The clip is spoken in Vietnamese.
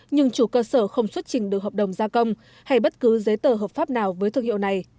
nhưng chủ cơ sở không xuất trình được hợp đồng gia công hay bất cứ giấy tờ hợp pháp nào với thương hiệu này